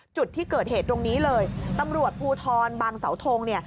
จุดที่เกิดเหตุตรงนี้เลยตำรวจภูทรบางเสาทงเนี่ย